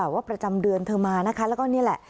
ว่าประจำเดือนเธอมานะคะแล้วก็นี่แหละ